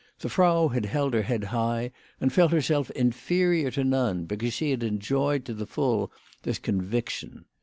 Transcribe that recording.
The Frau had held her head high, and felt herself inferior to none, because she had enjoyed to the full this conviction.